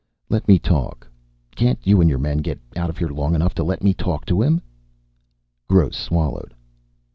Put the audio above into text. "Let me talk. Can't you and your men get out of here long enough to let me talk to him?" Gross swallowed.